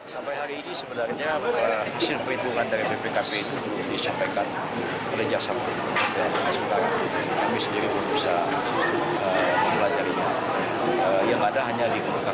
sampai hari ini sebenarnya hasil perhitungan dari bpkp itu disampaikan oleh jaksa